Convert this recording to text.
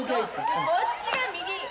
こっちが右。